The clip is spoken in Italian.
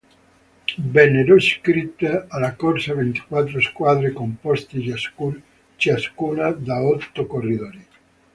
Vennero iscritte alla corsa ventiquattro squadre, composte ciascuna da otto corridori.